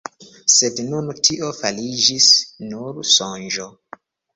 Sed nun tio fariĝis nur sonĝo.